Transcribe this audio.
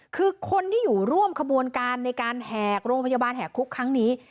คือคนที่อยู่ร่วมขบวนการในการแหกโรงพยาบาลแห่คุกครั้งนี้